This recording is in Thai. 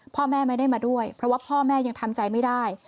พ่อแม่ไม่ได้มาด้วยเพราะว่าพ่อแม่ยังทำใจไม่ได้